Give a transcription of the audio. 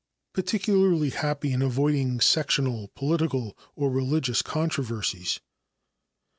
Particularly Happy in Avoiding Sectional, Political or Religious Controversies.